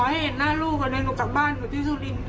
ขอให้เห็นหน้าลูกกว่าหน้าลูกจากบ้านของที่สุรินทร์